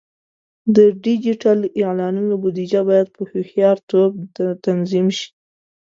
د ډیجیټل اعلانونو بودیجه باید په هوښیارتوب تنظیم شي.